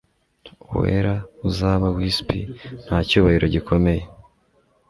Uwera Uzaba Wisp nta cyubahiro gikomeye